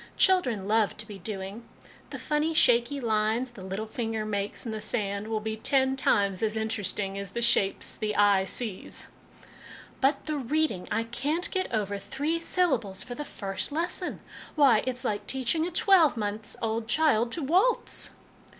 Children love to be doing. The funny, shaky lines the little finger makes in the sand will be ten times as interesting as the shapes the eye sees/' " But the reading ! I can't get over three syllables for the first lesson. Why, it's like teaching a twelve months old child to waltz